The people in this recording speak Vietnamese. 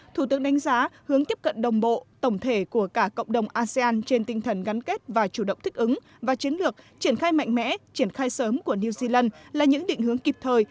thủ tướng đánh giá hướng tiếp cận đồng bộ tổng thể của cả cộng đồng asean trên tinh thần gắn kết và chủ động thích ứng và chiến lược triển khai mạnh mẽ triển khai sớm của new zealand là những định hướng kịp thời